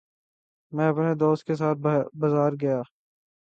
میں اپنے دوست کے ساتھ بازار گیا